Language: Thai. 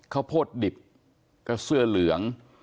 ข้าวโพดดิบก็เสื้อเหลือง